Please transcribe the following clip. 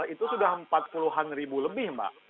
itu sudah empat puluhan ribu lebih mbak